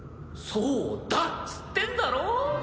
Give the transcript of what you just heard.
そうだっつってんだろ。